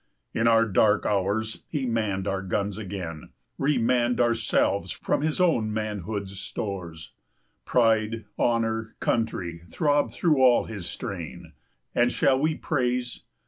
60 In our dark hours he manned our guns again; Remanned ourselves from his own manhood's stores; Pride, honor, country, throbbed through all his strain: And shall we praise?